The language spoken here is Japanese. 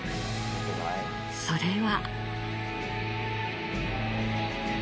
それは。